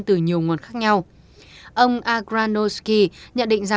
từ nhiều nguồn khóa